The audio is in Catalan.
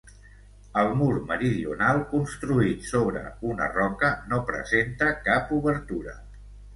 El mur meridional, construït sobre una roca, no presenta cap obertura.